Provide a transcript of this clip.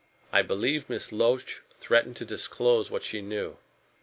"I believe Miss Loach threatened to disclose what she knew.